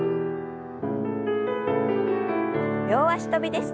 両脚跳びです。